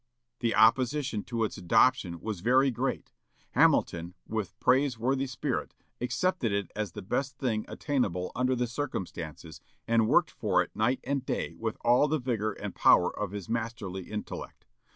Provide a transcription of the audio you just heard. The opposition to its adoption was very great. Hamilton, with praiseworthy spirit, accepted it as the best thing attainable under the circumstances, and worked for it night and day with all the vigor and power of his masterly intellect.